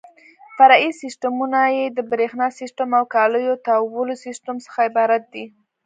فرعي سیسټمونه یې د برېښنا سیسټم او د کالیو تاوولو سیسټم څخه عبارت دي.